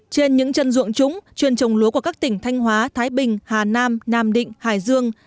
trên những chân ruộng trúng chuyên trồng lúa của các tỉnh thanh hóa thái bình hà nam nam định hải dương